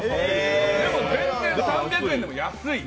でも全然３００円でも安い。